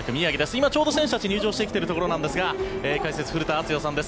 今、ちょうど選手たちが入場しているところなんですが解説、古田敦也さんです。